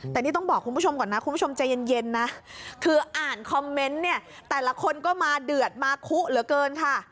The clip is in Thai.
แต่นี่ต้องบอกคุณผู้ชมก่อนนะคุณผู้ชมใจเย็นนะคืออ่านคอมเมนต์เนี่ยแต่ละคนก็มาเดือดมาคุเหลือเกินค่ะ